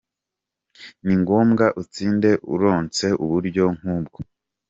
Ni ngmbwa utsinde uronse uburyo nk'ubwo.